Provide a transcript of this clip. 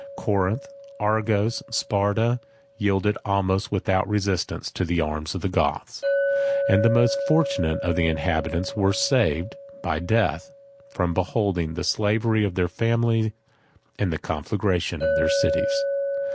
10 Corinth, Argos, Sparta, yielded without resistance to the arms of the Goths; and the most fortunate of the inhabitants were saved, by death, from beholding the slavery of their families and the conflagration of their cities.